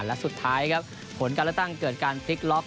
และสุดท้ายครับผลการเลือกตั้งเกิดการพลิกล็อก